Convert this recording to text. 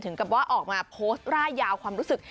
กับว่าออกมาโพสต์ร่ายยาวความรู้สึก